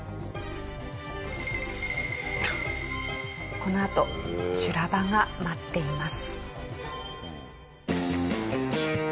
このあと修羅場が待っています。